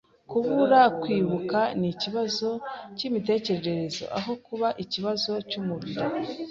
Kubura kwibuka ni ikibazo cyimitekerereze aho kuba ikibazo cyumubiri